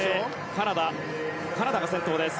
カナダが先頭です。